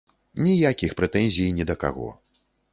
Ніякіх прэтэнзій ні да каго.